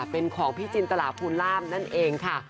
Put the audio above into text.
เป็นของพี่จินตราภูลามนั่นเองค่ะ